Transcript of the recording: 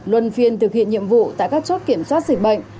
luân phiên thực hiện nhiệm vụ tại các chốt kiểm soát dịch bệnh